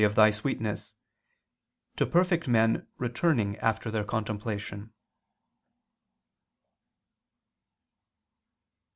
. of Thy sweetness," to perfect men returning after their contemplation.